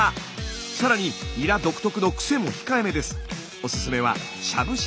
更にニラ独特のクセも控えめです。